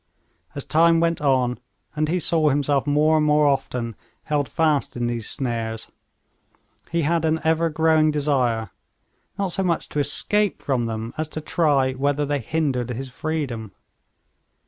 As time went on, and he saw himself more and more often held fast in these snares, he had an ever growing desire, not so much to escape from them, as to try whether they hindered his freedom.